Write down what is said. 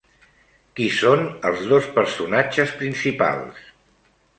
Qui són els dos personatges principals?